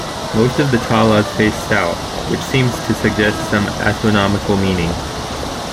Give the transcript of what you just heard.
Most of the taulas face south, which seems to suggest some astronomical meaning.